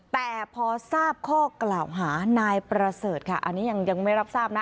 แต่พอทราบข้อกล่าวหานายประเสริฐค่ะอันนี้ยังไม่รับทราบนะ